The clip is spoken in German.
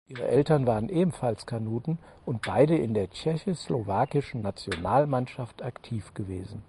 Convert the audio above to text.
Ihre Eltern waren ebenfalls Kanuten und beide in der tschechoslowakischen Nationalmannschaft aktiv gewesen.